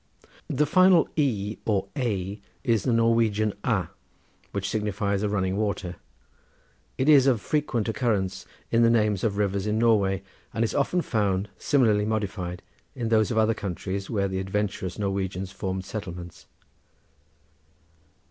The final ea or ey is the Norwegian aa, which signifies a running water; it is of frequent occurrence in the names of rivers in Norway, and is often found, similarly modified, in those of other countries where the adventurous Norwegians formed settlements.